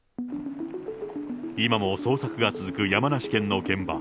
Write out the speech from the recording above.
今も捜索が続く山梨県の現場。